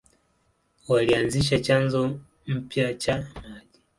Walianzisha chanzo mpya cha maji.